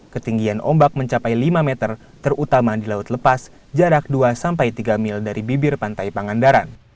ketinggian ombak mencapai lima meter terutama di laut lepas jarak dua sampai tiga mil dari bibir pantai pangandaran